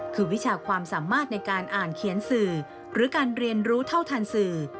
คือวิชาความสามารถในการอ่านเขียนสื่อหรือการเรียนรู้เท่าทันสื่อ